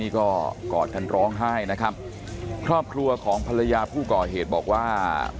ก็กอดกันร้องไห้นะครับครอบครัวของภรรยาผู้ก่อเหตุบอกว่า